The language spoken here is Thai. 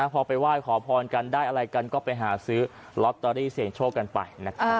พอไปไหว้ขอพรกันได้อะไรกันก็ไปหาซื้อลอตเตอรี่เสียงโชคกันไปนะครับ